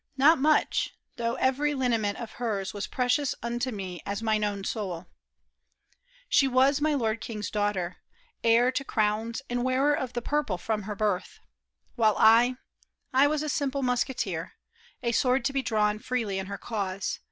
Not much, though every lineament of hers Was precious unto me as mine own soul. Q2 CONFESSION OF THE ICING'S MUSKETEER. She was my lord king's daughter, heir to crowns And wearer of the purple from her birth, While I — I was a simple musketeer, A sword to be drawn freely in her cause.